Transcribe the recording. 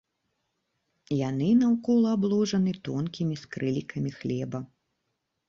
Яны наўкола абложаны тонкімі скрылікамі хлеба.